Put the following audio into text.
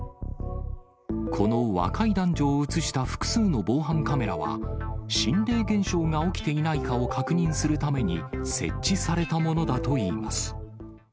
この若い男女を写した複数の防犯カメラは、心霊現象が起きていないかを確認するために設置されたものだといいます。